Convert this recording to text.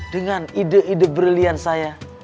dengan ide ide brilian saya